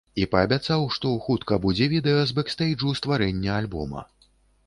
І паабяцаў, што хутка будзе відэа з бэкстэйджу стварэння альбома.